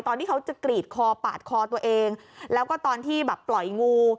ตอนที่เขาจะกรีดคอปาดคอตัวเองแล้วก็ตอนที่แบบปล่อยงู